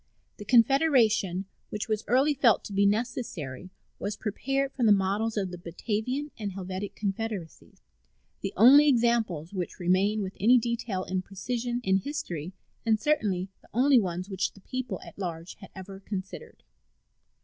The Confederation which was early felt to be necessary was prepared from the models of the Batavian and Helvetic confederacies, the only examples which remain with any detail and precision in history, and certainly the only ones which the people at large had ever considered.